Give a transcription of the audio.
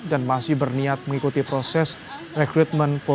dan masih berniat mengikuti proses rekrutmen polri